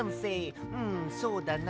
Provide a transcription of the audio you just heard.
んそうだな。